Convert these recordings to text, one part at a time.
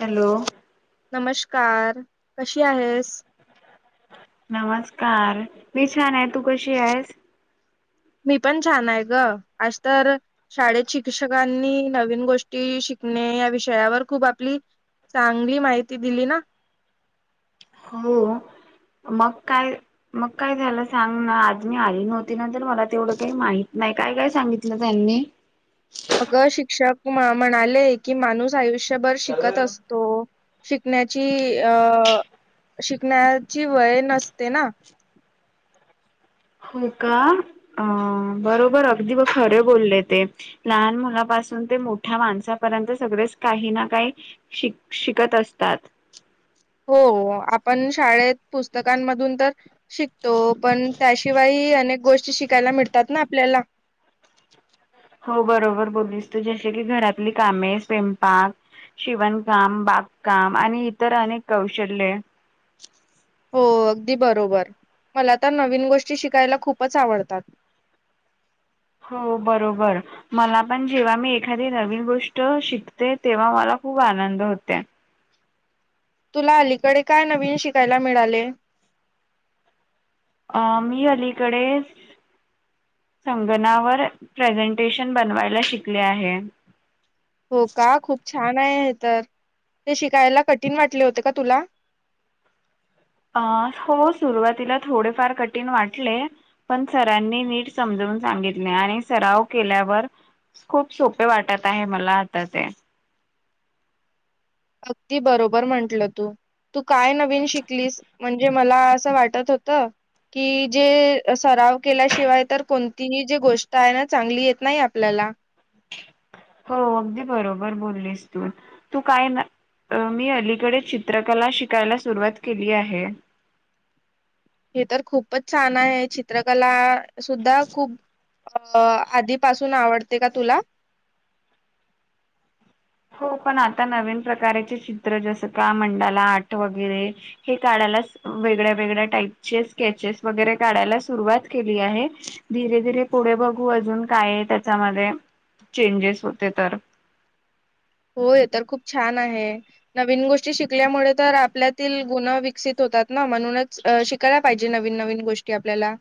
Hello, नमस्कार कशी आहेस? नमस्कार मी छान आहे तू कशी आहेस? मी पण छान आहे गं आज तर. शाळेत शिक्षकांनी नवीन गोष्टी शिकणे या विषयावर खूप आपली चांगली माहिती दिली ना. हो. मग काय, मग काय झालं सांग ना. आज मी आली नव्हती ना. तर मला तेवढं काही माहित नाही काय काय सांगित लं त्यांनी, गं शिक्षक म म्हणाले की माणूस आयुष्यभर शिकत असतो. शिकण्याची अ शिकण्याची वय नसते ना. होय का. अं बरोबर अगदी ब खरे बोलले ते. लहान मुलापासून ते मोठ्या माणसापर्यंत सगळेच काही ना काही, शिक शिकत असतात. हो. आपण शाळेत पुस्तकांमधून तर, शिकतो पण त्याशिवाय अनेक गोष्टी शिकायला मिळतात ना आपल्याला. हो. बरोबर बोललीस तू जसे की घरातली कामे स्वयंपाक शिवणकाम, बागकाम आणि इतर अनेक कौशल्ये हो. अगदी बरोबर मला तर नवीन गोष्टी शिकायला खूपच आवडतात. हो. बरोबर. मला पण जेव्हा मी एखादी नवीन गोष्ट शिकते. तेव्हा मला खूप आनंद होते. तुला अलीकडे काय नवीन शिकायला मिळाले? अ मी अलीकडे संगनावर प्रेझेंटेशन बनवायला शिकले आहे. हो का. खूप छान आहे हे तर, ते शिकायला कठीण वाटले होते का तुला? अ हो सुरुवातीला थोडेफार कठीण वाटले. पण सरांनी नीट समजवून सांगितले आणि सराव केल्यावर खूप सोपे वाटत आहे मला आता ते. अगदी बरोबर म्हंटलं तू. तू काय नवीन शिकलीस म्हणजे मला असं वाटत होतं कि जे सराव केल्याशिवाय तर कोणतीही जी गोष्ट आहे ना. चांगली येत नाही आपल्याला. हो, अगदी बरोबर बोललीस तू. तू काय ना मी अलीकडे चित्रकला शिकायला सुरुवात केली आहे. हे तर खूपच छान आहे. चित्रकला सुद्धा खूप अ आधीपासून आवडते का तुला? होपण आता नवीन प्रकाराचे चित्र जसं का मंडाला आट वगैरे, हे काढायला वेगळ्या वेगळ्या टाईपचे स्केचेस वगैरे काढायला सुरुवात केली आहे. धीरे धीरे पुढे बघू. अजून काय त्याच्यामध्ये चेंजेस होते तर, होय. तर खूप छान आहे. नवीन गोष्टी शिकल्यामुळे तर आपल्यातील गुण विकसित होतात ना म्हणूनच, अ शि कायला पाहिजे. नवीन नवीन गोष्टी आपल्याला,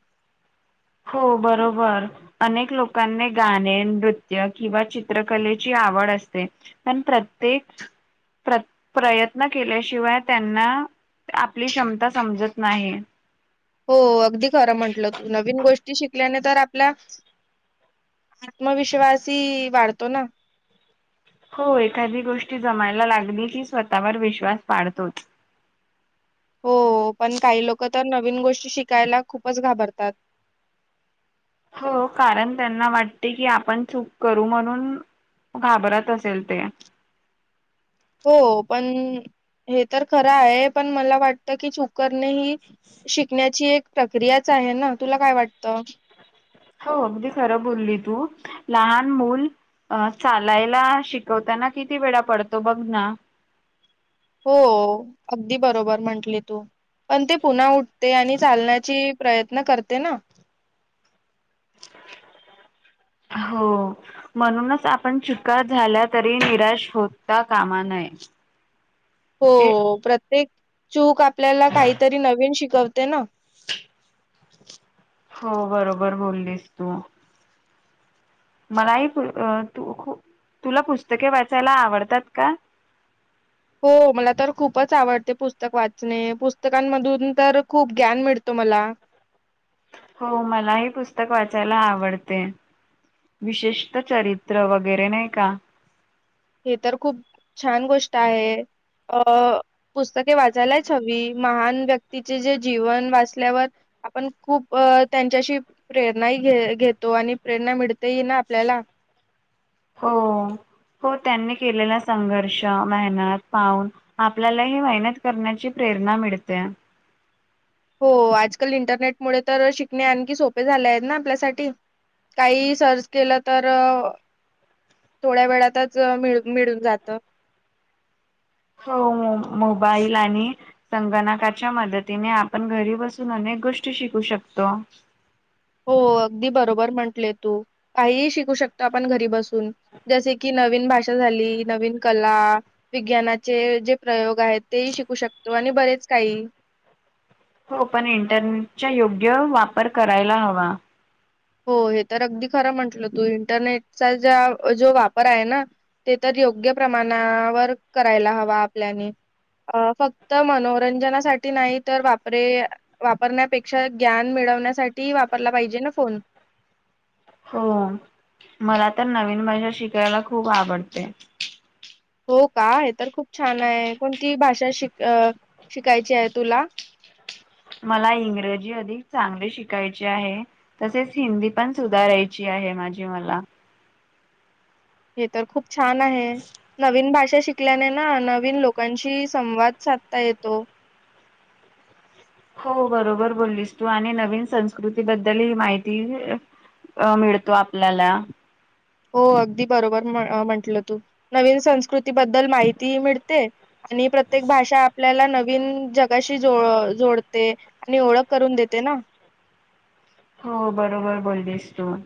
हो बरोबर. अनेक लोकांनी गाणे, नृत्य किंवा चित्रकलेची आवड असते. पण प्रत्येक प्र प्रयत्न केल्याशिवाय त्यांना आपली क्षमता समजत नाही. हो. अगदी खरं म्हंटलं तू. नवीन गोष्टी शिकल्याने तर आपल्या आत्मविश्वासही वाढतो ना. हो. एखादी गोष्टी जमायला लागली की स्वतःवर विश्वास वाढतोच. हो पण काही लोक तर नवीन गोष्टी शिकायला खूपच घाबरतात हो कारण त्यांना वाटते की आपण चूक करू म्हणून घाबरत असेल ते हो पण हे तर खरं आहे पण मला वाटतं की चुकरणे ही शिकण्याची एक प्रक्रियाच आहे ना तुला काय वाटतं हो अगदी खर बोलली तू लहान मुल चालायला शिकवताना किती वेळा पडतो बघ ना हो अगदी बरोबर म्हंटली तू पण ते पुन्हा उठते आणि चालण्याची प्रयत्न करते ना हो म्हणूनच आपण चुका झाल्या तरी निराश होता कामा नये ते हो प्रत्येक चूक आपल्याला काहीतरी नवीन शिकवते ना हो बरोबर बोललीस तू मलाही तू खूप तुला पुस्तके वाचायला आवडतात का? हो मला तर खूपच आवडते पुस्तक वाचणे पुस्तकांमधून तर खूप ग्यान मिळतो मला हो मलाही पुस्तक वाचायला आवडते विशेषत चरित्र वगैरे नाही का हे तर खूप छान गोष्ट आहे अ पुस्तके वाचायलाच हवी महान व्यक्तीचे जे जीवन वाचल्यावर आपण खूप त्यांच्याशी प्रेरणा ही घे घेतो आणि प्रेरणा मिळते ही ना आपल्याला हो, हो त्यांनी केलेला संघर्ष मेहनत पाहून आपल्याला ही मेहनत करण्याची प्रेरणा मिळते हो आजकाल इंटरनेट मुळे तर शिकणे आणखी सोपे झाले आहेत ना आपल्यासाठी काही सर्च केलं तर थोड्या वेळातच मिळ मिळून जातं हो मोबाईल आणि संगणकाच्या मदतीने आपण घरी बसून अनेक गोष्टी शिकू शकतो हो अगदी बरोबर म्हंटले तू काहीही शिकू शकत आपण घरी बसून जसे की न नवीन भाषा झाली नवीन कला विज्ञानाचे जे प्रयोग आहेत तेही शिकू शकतो आणि बरेच काही हो पण इंटरनेटचा योग्य वापर करायला हवा हो हे तर अगदी खरं म्हंटलं तू इंटरनेटचा ज्या जो वापर आहे ना ते तर योग्य प्रमाणावर करायला हवा आपल्याने अ फक्त मनोरंजनासाठी नाही तर वापरे वापरण्यापेक्षा ज्ञान मिळवण्यासाठी वापरला पाहिजे ना फोन हो मला तर नवीन [unintelligible] शिकायला खूप आवडते हो का हे तर खूप छान आहे कोणती भाषा शिक शिकायची आहे तुला मला इंग्रजी अधिक चांगली शिकायची आहे तसेच हिंदी पण सुधारायची आहे माझी मला हे तर खूप छान आहे नवीन भाषा शिक शिकल्याने ना नवीन लोकांशी संवाद साधता येतो हो बरोबर बोललीस तू आणि नवीन संस्कृती बद्दल ह माहिती अ मिळतो आपल्याला हो अगदी बरोबर म्हंटलं तू नवीन संस्कृती बद्दल माहिती मिळते आणि प्रत्येक भाषा आपल्याला नवीन जग गाशी जो जोडते आणि ओळख करून देते ना? हो, बरोबर बोलीस तू म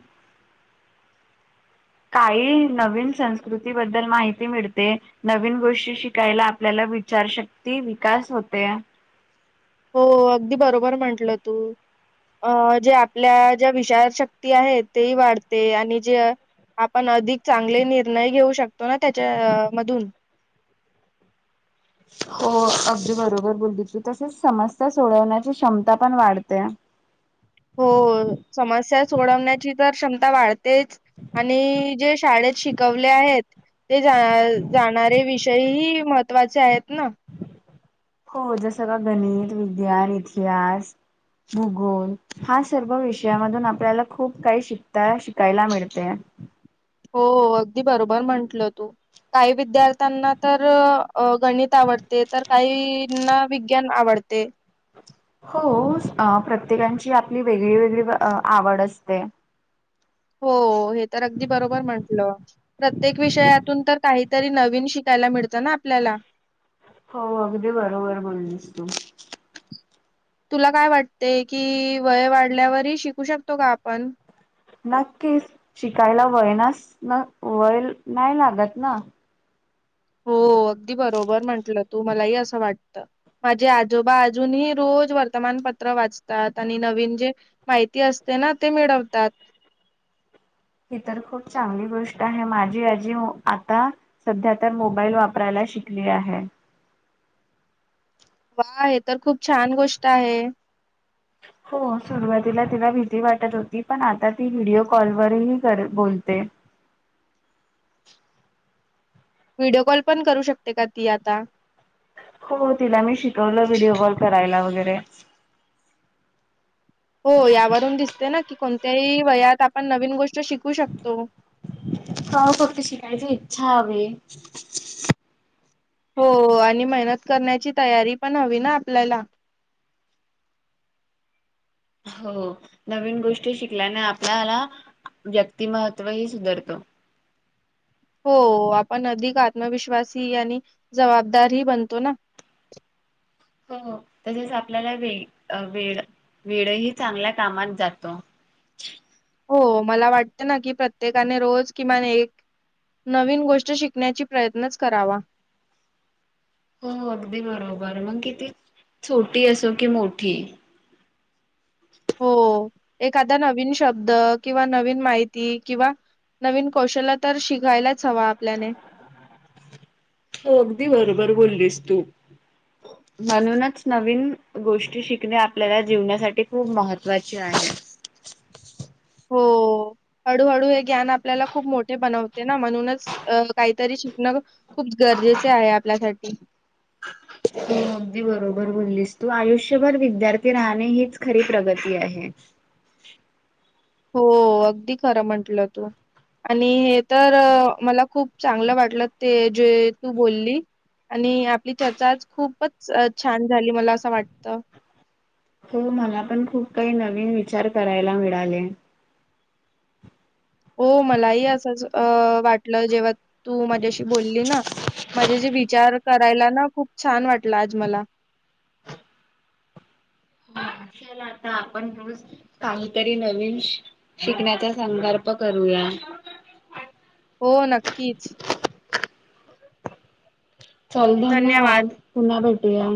काही नवीन संस्कृतीबद्दल माहिती मिळते. नवीन गोष्टी शिकायला आपल्याला विचारशक्ती विकास होते हो, अगदी बरोबर म्हटलं तू अ जे आपल्या ज्या विचार शक्ती आहे. तेही वाढते आणि जे आपण अधिक चांगले निर्णय घेऊ शकतो. ना त्याच्या मधून हो अगदी बरोबर बोललीस तसेच समस्या सोडवण्याची क्षमता पण वाढते. हो, समस्या सोडवण्याची तर क्षमता वाढ तेच आणि जे शाळेत शिकवले आहेत. ते जाणारे विष ते ही महत्वाचे आहेत ना? हो जसं का गणित, विज्ञान, इतिहास ओ गाॅड! हा सर्व विषयामधून आपल्याला खूप काही शिकता शिकायला मिळतेय हो हो अगदी बरोबर म्हंटलं तू काही विद्यार्थ्यांना तर गणित आवडते तर काहीना विज्ञान आवडते होच प्रत्येकांची आपली वेगळी वेगळी आवड असते. हो, हे तर अगदी बरोबर म्हंटलं प्रत्येक विषयातून तर काहीतरी नवीन शिकायला मिळतं. ना आपल्याला हो, अगदी बरोबर बोललीस तू तुला काय वाटतेय कि वय वाढल्यावरही शिकू शकतो का? आपण नक्कीच शिकायला, वयनास न वय नाय लागत ना? हो अगदी बरोबर म्हंटलं. तू मलाही असं वाटत माझे आजोबा अजूनही रोज वर्तमानपत्र वाचतात. आणि नवीन जे माहिती असते ना, ते मिळवतात ही तर खूप चांगली गोष्ट आहे. माझी आजी आता सध्या तर मोबाईल वापरायला शिकली आहे. वा! हे तर खूप छान गोष्ट आहे. हो सुरुवातीला तिला भिझी वाटत होती. पण आता ती व्हिडिओ कॉलवररही कर बोलते व्हिडिओ कॉल पण करू शकते का ती आता? हो तिला मी शिकवलं व्हिडिओ कॉल करायला वगैरे हो यावरून दिसते ना, की कोणत्याही वयात आपण नवीन गोष्ट शिकू शकतो. हो फक्त शिकायची इच्छा हवी? हो आणि मेहनत करण्याची तयारी पण हवी ना आपल्याला हो नवीन गोष्टी शिकल्याने आपल्याला व्यक्तिमत्त्व ही सुधारतं हो आपण अधिक आत्मविश्वासी आणि जबाबदारही बनतो ना? हो तसेच आपल्याला वे वेळ वेळही चांगल्या कामात जातो हो मला वाटते ना की प्रत्येकाने रोज किमान एक नवीन गोष्ट शिकण्याची प्रयत्नच करावा हो अगदी बरोबर मग किती छोटी असो की मोठी हो एखादा नवीन शब्द किंवा नवीन माहिती किंवा नवीन कौशल्य तर, शिकायलाच हवं आपल्याले हो अगदी बरोबर बोललीस तू म्हणूनच नवीन गोष्टी शिकणे आपल्याला जीवनासाठी खूप महत्त्वाचे आहे. हो हळूहळू हे ज्ञान आपल्याला खूप मोठे बनवते ना म्हणूनच अ काहीतरी शिकण खूप गरजेचे आहे आपल्यासाठी. हो अगदी बरोबर बोललीस तू आयुष्यभर विद्यार्थी राहणे हीच खरी प्रगती आहे. हो अगदी खरं म्हंटलं तू. आणि हे तर मला खूप चांगलं वाटलं ते जे तू बोली - - आणि आपली चर्चा आज खूपच छान झाली मला असं वाटत. हो मला पण खूप काही नवीन विचार करायला मिळाले. हो मलाही असं अ वाटलं जेव्हा तू माझ्याशी बोलली ना. माझे जे विचार करायला ना खूप छान वाटला आज मला. ह चल आता आपण रोज काहीतरी नवीन शि -शिकण्याचा संकल्प करूया. हो नक्कीच. चल धन्यवाद पुन्हा भेटूया.